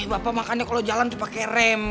bapak makanya kalau jalan tuh pakai rem